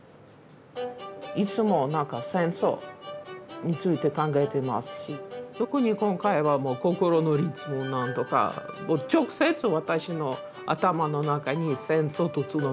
いつも何か戦争について考えてますし特に今回はもう心の悲痛をなんとか直接私の頭の中に戦争とつながるようになりました。